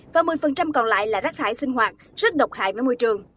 và một mươi còn lại là rắc thải sinh hoạt rất độc hại mấy môi trường